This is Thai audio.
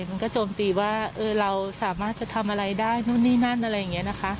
มันก็โจมตีว่าเราสามารถจะทำอะไรได้นู่นนี่นั่นอะไรอย่างนี้นะคะ